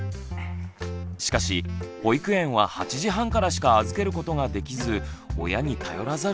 しかし保育園は８時半からしか預けることができず親に頼らざるをえません。